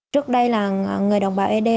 trước đây là người đồng bào ế đê